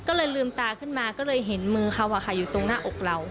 ก็เลยลืมตาขึ้นมาก็เลยเห็นมือเขาอยู่ตรงหน้าอกเรา